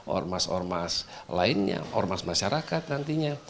ormas ormas lainnya ormas masyarakat nantinya